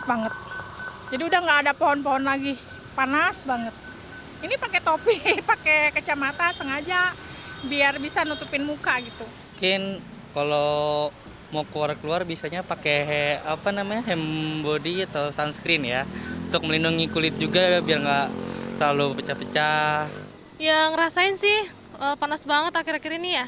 sebelum beraktivitas di luar warga pun sudah menyiapkan diri untuk meminimalisir dampak cuaca panas terhadap tubuh